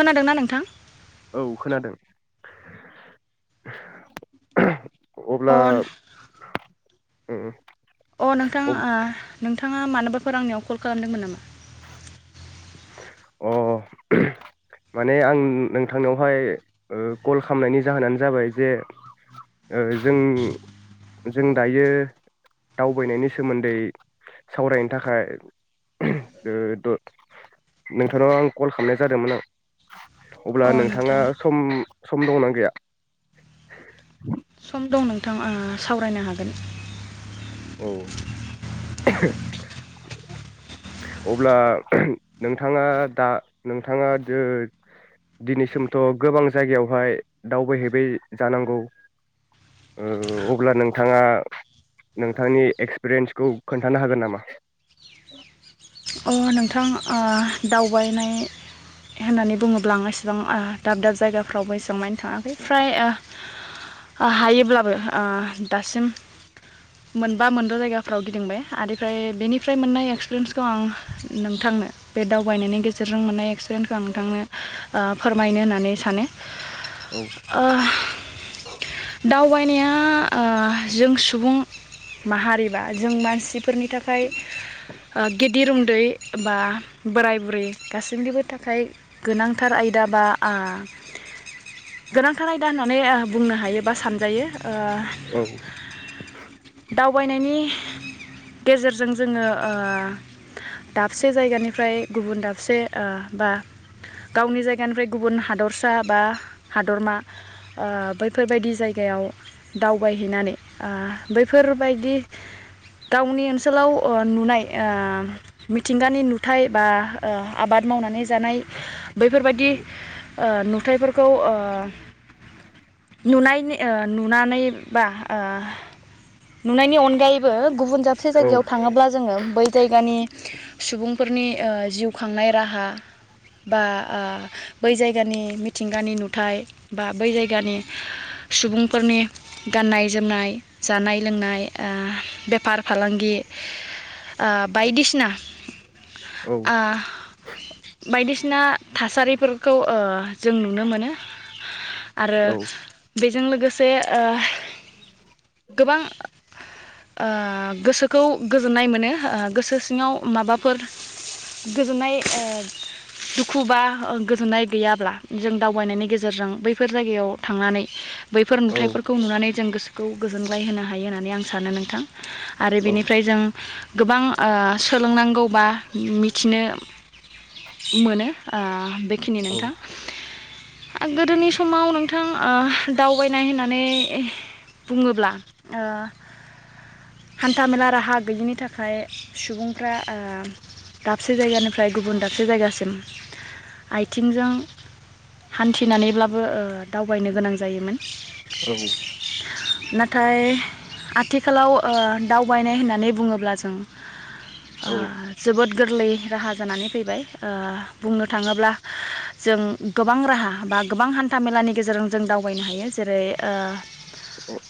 खोनादोंना नोंथां औ खोनादों अ अब्ला अ [unintelligible] अ नोंथां आ नोंथाङा मानोबाफोर आंनियाव कल खालामदोंमोन नामा? अ माने आं नोंथांनावहाय ओ कल खालामनायनि जाहोनानो जाबाय जे जों ओ जों दायो दावबायनायनि सोमोन्दै सावरायनो थाखाय नोंथांनाव आं कल खालामनाय जादोंमोन आं अब्ला अ नोंथाङा नोंथां सम सम दंना गैया सम दं नोंथा आ सावरायनो हागोन औ अब्ला नोंथाङा दा नोंथाङा दिनैसिमथ' गोबां जायगायावहाय दावबायहैबाय जानांगौ अब्ला नोंथाङा नोंथांनि एक्सपिरियेन्सखौ खोन्थानो हागोन नामा अ नोंथां ओ दावबायनाय होननानै बुङोब्ला आं एसेबां आ दाब दाब जायगाफ्रावबो एसेबां मानि थाङाखै फ्राय आं हायोब्लाबो दासिम मोनबा मोनबा जायगाफ्राव गिदिंबाय आरोफ्रायफ्राय बेनिफ्राय मोननाय एक्सपिरियेन्सखौ आं नोंथांनो बे दावबायनायनि गेजेरजों मोननाय एक्स [unintelligible] नोंथांनो ओ फोरमायनो होननानै सानो? औ ओ‌ दाउ दावबायनाया ओ जों सुबुं माहारिबा जों मानसिफोरनि थाखाय ओ गिद धिरूम दै बा बोराय बुरै गासैनिबो थाखाय गोनांथार आयदा बा आ गोनांथार आयदा होननानै ओ बुंनो हायो बा सानजायो ओ औ दावबायनायनि गेजेरजों जोङो ओ दाबसे जायगानिफ्राय गुबुन दाबसे आ बा गावनि जायगानिफ्राय गुबुन हादरसा बा हादरमा आ बैफोरबायदि जायगायाव दावबायहैनानै आ बैफोरबायदि गावनि ओनसोलाव नुनाय आ मिथिंगानि नुथाय बा‌ ओ आबाद मावनानै जानाय औ बैफोरबायदि आ नुथफोरखौ ओ नु ओ नुनानै बा नुनायनि अनगायैबो गुबुन दाबसे औ जायगायाव थाङोब्ला जोङो बै जायगानि सुबुंफोरनि ओ जिउ खांनाय राहा बा आ बै जायगानि मिथिंगानि नुथाइ बा बै जायगानि सुबुंफोरनि गाननाय जोमनाय जानाय लोंनाय ओ बेफार फालांगि ओ बायदिसिना ना औ आ बायदिसिना थासारिफोरखौ ओ जों नुनो मोनो आरो औ बेजों लोगोसे ओ गोबां ओ गोसोखौ गोजोननाय मोनो ओ गोसो सिङाव माबाफोर गोजोननाय ओ दुखु बा गोजोननाय गैयाब्ला जों दावबायनायनि गेजेरजों बैफोर जायगायाव थांनानै बैफोर औ नुथाइफोरखौ नुनानै जों गोसोखौ गोजोनगलाय होनो हायो होननानै आं सानो नोंथां आरो औ बेनिफ्राय जों गोबां आ सोलोंनांगौबा मिथिनो मोनो ओ बेखिनि नोंथां गोदोनि समाव नोंथां आ दावबायनाय होननानै बुङोब्ला आ हान्थामेला राहा गैयिनि थाखाय सुबुं फ्रा आ दाबसे जायगानिफ्राय गुबुन दाबसे जायगासिम आथिंजों हान्थिनानैब्लाबो ओ दावबायनो गोनां जायोमोन औ नाथाय आथिखालाव ओ दावबायनाय होननानै बुङोब्ला जों ओ औ जोबोद गोरलै राहा जानानै फैबाय ओ बुंनो थाङोब्ला जों गोबां राहा बा गोबां हान्था मेलानि गेजेरजों जों दावबायनो हायो जेरै ओ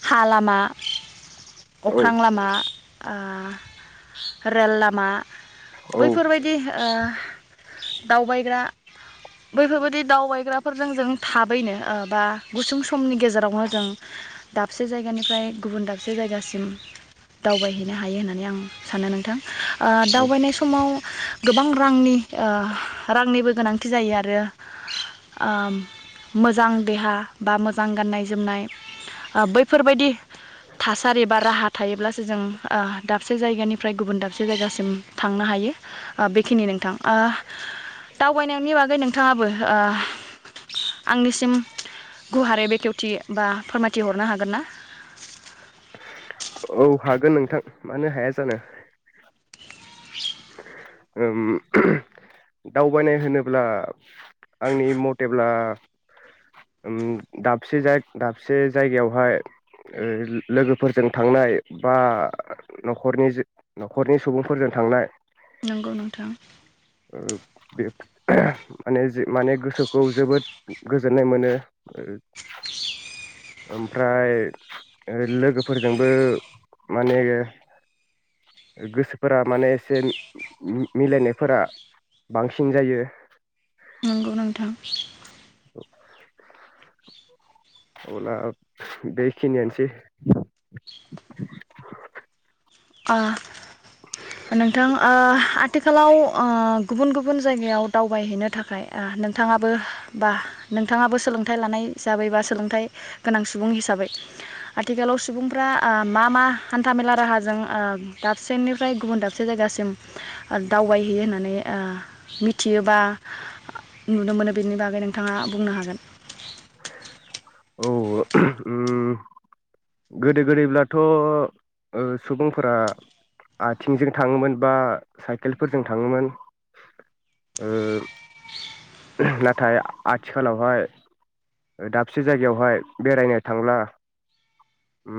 हा लामा औ अख्रां लामा ओ रेल ला मा बैफोरबायदि ओ‌ दावबायग्रा बैफोरबायदि दावबायग्राफोरजों जों थाबैनो ओ बा गुसुं समनि गेजेरावनो जों दाबसे जायगानिफ्राय गुबुन दाबसे जायगासिम दावबायहैनो हायो होननानै आं सानो नोंथां आ दावबायनाय समाव गोबां रांनि आ रांनिबो गोनांथि जायो आरो आ‌‌ मोजां देहा बा मोजां गाननाय-जोमनाय आ बैफोरबायदि थासारि बा राहा थायोब्लासो जों आ दाबसे जायगानिफ्राय गुबुन दाबसे जायगासिम थांनो हायो बेखिनि नोंथां आ दावबायनायनि बागै नोंथाङाबो आ आंनिसिम गुवारै बेखेवथि बा फोरमायथि हरनो हागोन ना औ हागोन नोंथां मानो हाया जानो ओम दावबायनाय होनोब्ला आंनि मथेब्ला ओम दाबसे दाबसे जायगायावहाय ओ लोगोफोरजों थांनाय बा नखरनि न'खरनि सुबुंफोरजों थांनाय नंगौ नोंथां ओ बे माने जे माने गोसोखौ जोबोद गोजोननाय मोनो ओमफ्राय लोगोफोरजोंबो माने गोसोफोरा माने एसे मिलायनायफोरा बांसिन जायो नंगौ नोंथां [inaudible] अब्ला बेखिनियानोसै आ नोंथां ओ आथिखालाव आ गुबुन गुबुन जायगायाव दावबायहैनो थाखाय आ नोंथाङाबो बा नोंथाङाबो सोलोंथाइ लानाय हिसाबै बा सोलोंथाइ गोनां सुबुं हिसाबै आथिखालाव सुबुंफ्रा आ मा मा हान्था मेला राहाजों आ दाबसेनिफ्राय गुबुन दाबसे जायगासिम दावबायहैयो होननानै ओ मिथियो बा नुनो मोनो बेनि बागै नोंथाङा बुंनो हागोन। औ उम गोदो गोदैब्लाथ' ओ सुबुंफोरा आथिंजों थाङोमोन बा साइकेलफोरजों थाङोमोन ओ नाथाय आथिखालावहाय दाबसे जायगायावहाय बेरायनो थांब्ला उम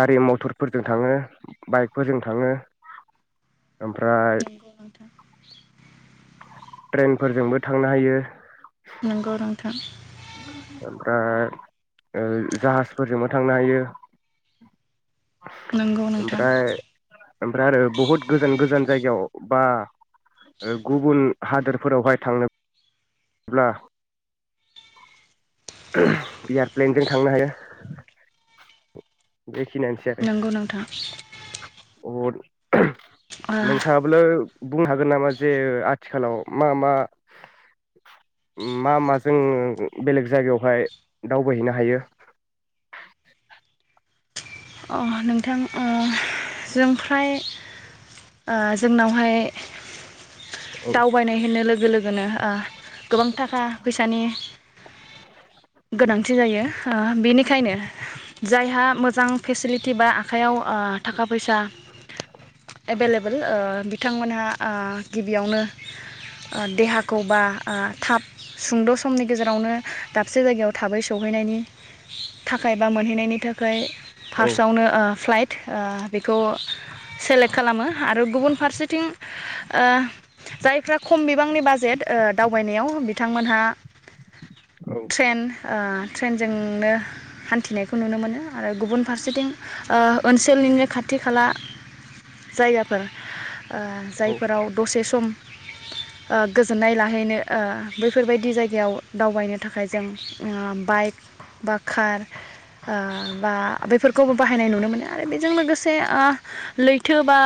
गारि मटरफोरजों थाङो बाइकफोरजों थाङो ओमफ्राय ट्रेनफोरजोंबो थांनो हायो नोंगौ नोंथां ओमफ्राय ओ जाहाजफोरजोंबो थांनो हायो नंगौ नोंथां ओमफ्राय ओमफ्राय आरो बहुत गोजान गोजान जायगायाव बा ओ गुबुन हादोरफोरावहाय थांनोब्ला एयारप्लेनजों थांनो हाया नंगौ नोंथां [unintelligible] [unintelligible] ओ नोंथाङाब्लो बुंनो हागोन नामा जे आथिखालाव मा मा मा माजों बेलेग जायगायाव फाय दावबायहैनो हायो अ नोंथां ओ जों फ्राय जोंनावहाय औ दावबायनाय होनो लोगो लोगो होनो गोबां थाखा फैसानि गोनांथि जायो ओ बेनिखायनो जायहा मोजां फेसिलिट- तिबा आखाइयाव थाखा फैसा एभेलेबोल बिथांमोनहा ओ गिबियावनो देहाखौ बा ओ थाब सुंद' समनि गेजेरावनो दाबसे जायगायाव थाबै स सौहैनायनि थाखाय बा मोनहैनायनि थाखाय औ फार्स्टआवनो ओ फ्लाइट ओ बेखौ सेलेक्ट खालामो आरो गुबुन फारसेथिं ओ जायफ्रा खम बिबांनि बाजेट दावबायनायाव ओ बिथांमोनहा औ ट्रेन ओ ट्रेनजोंनो हान्थिनायखौ नुनो मोनो आरो गुबुन फारसेथिं ओ ओनसोलनिनो खाथि खाला जायगा फोर ओ औ जायफोराव दसे सम ओ गोजोननाय लाहैनो ओ बैफोरबायदि जायगायाव दावबायनो थाखाय जों ओ बाइक बा खार ओ बा बैफोर खौबो बाहायनाय नुनो मोनो आरो बेजों लोगोसे लैथो बा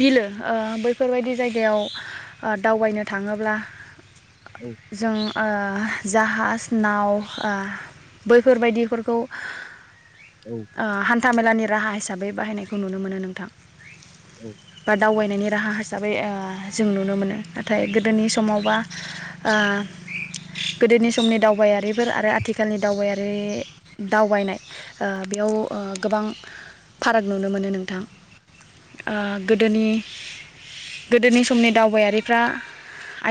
बिलो ओ बै बेफोरबायदि जायगायाव ओ दावबायनो थाङोब्ला औ जों ओ जाहाज नाव ओ बैफोरबायदिफोरखौ औ ओ हा हान्थामेलानि राहा हिसाबै बाहायनायखौ नुनो मोनो नोंथां। ओ दावबाय नायनि राहा हिसाबै ओ जों नुनो मोनो नाथाय गोदोनि समावबा ओ गोदोनि समनि दावबायारिफोर आरो आथिखालनि दावबायारि दावबायनाय ओ बेयाव गोबां फाराग नुनो मोनो नोंथां ओ गोदोनि गोदोनि समनि दावबायारिफ्रा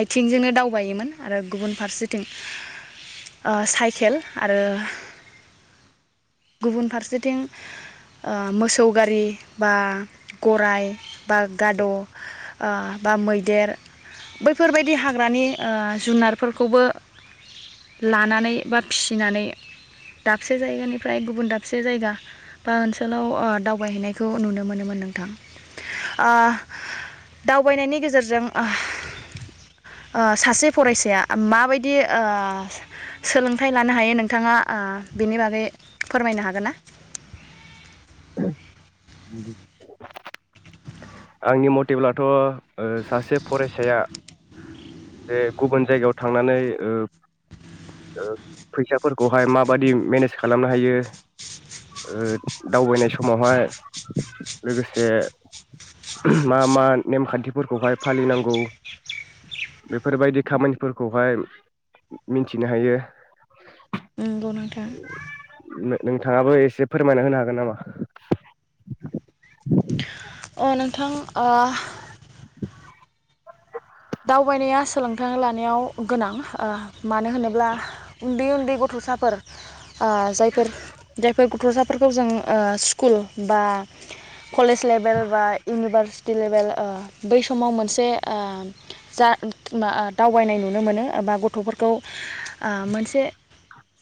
आथिंजोंनो दावबायोमोन आरो गुबुन फारसेथिं ओ साइकेल आरो गुबुन फारसेथिं ओ मोसौ गारि बा गराय बा गाद' ओ बा मैदेर बैफोरबायदि हाग्रानि ओ जुनारफोरखौबो लानानै बा फिसिनानै दाबसे जायगानि फ्राय गुबुन दाबसे जायगा बा ओनसोलाव ओ दावबायहैनायखौ नुनो मोनोमोन नोंथां ओ दावबायनायनि गेजेरजों ओ ओ सासे फरायसाया माबायदि ओ सोलोंथाइ लानो हायो नोंथाङा ओ बेनि बागै फोरमायनो हागोन ना [unintelligible] आंनि मथेब्लाथ' ओ सासे फरायसाया बे गुबुन जायगायाव थांनानै ओ ओ फैसाफोरखौहाय माबादि मेनेज खालामनो हायो ओ दावबायनाय समावहाय लोगोसे मा मा नेमखान्थिफोरखौहाय फालिनांगौ बेफोरबायदि खामानिफोरखौहाय मिथिनो हायो नंगौ नोंथां नोंथाङाबो एसे फोरमायना होनो हागोन नामा अ नोंथां ओ दावबायनाया सोलोंथां लानायाव गोनां ओ मानो होनोब्ला उन्दै उन्दै गथ'साफोर ओ जायफोर जायफोरखौ गथ'साफोरखौ ओ जों स्कुल बा कलेज लेभेल बा इउनिभार दिलिभेल ओ बै समाव मोनसे ओ जा [unintelligible] दावबायनाय नुनो मोनो बा गथ'फोरखौ आ मोनसे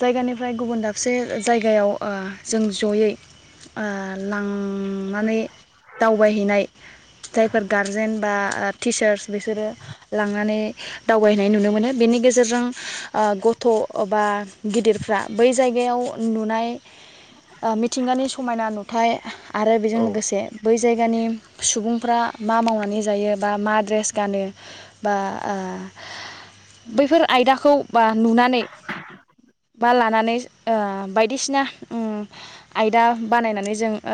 जायगानिफ्राय गुबुन दाबसे जायगायाव ओ जों जयै ओ लांनानै दावबायहैनाय जायफोर गारजेन बा टिचार्स बेस सोरो लांनानै दावबायहैनाय नुनो मोनो बेनि गेजेरजों ओ गथ'बा गिदिरफ्रा बै जायगायाव नुनाय ओ मिथिंगानि समायना नुथाय आरो बेजों औ लोगोसे बै जायगानि सुबुंफ्रा मा मावनानै जायो बा मा द्रेस गानो बा ओ बैफोर आयदाखौ बा नुनानै बा लानानै ओ बायदिसिना उम आयदा बानायनानै जों ओ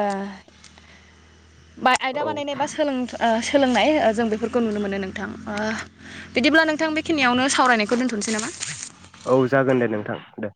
बा आयदा औ बानायनाय बा सोलों ओ सोलोंनाय ओ जों बेफोरखौ खौ नुनो मोनो नोंथां ओ बिदिब्ला नोंथां बेखिनियावनो सावरायनायखौ दोन्थ'नोसै नामा औ जागोन दे नोंथां दे